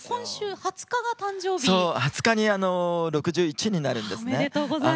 ２０日に６１になるんですね。